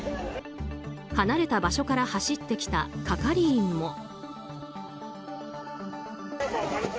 離れた場所から走ってきた係員も。